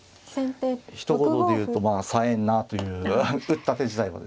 ひと言で言うとまあさえんなあという打った手自体はですね